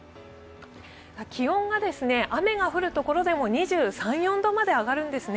気温が雨が降るところでも２３２４度まで上がるんですね。